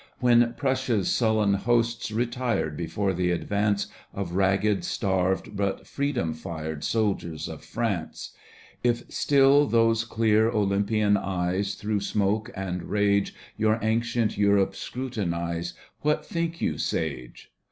When Prussia's sullen hosts retired Before the advance Of ragged, starved, but freedom fired Soldiers of France ; If still those dear, Oljnnpian eyes Through smoke and rage Your ancient Europe scrutinize. What think you. Sage